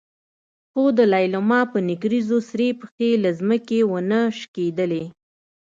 خو د لېلما په نکريزو سرې پښې له ځمکې ونه شکېدلې.